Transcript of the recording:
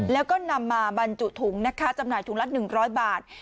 แล้วก็นำมาบรรจุถุงนะคะจำหน่ายถุงละ๑๐๐บาท